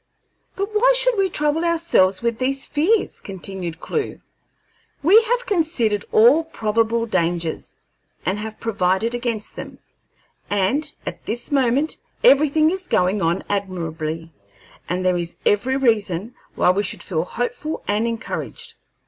"But why should we trouble ourselves with these fears?" continued Clewe. "We have considered all probable dangers and have provided against them, and at this moment everything is going on admirably, and there is every reason why we should feel hopeful and encouraged.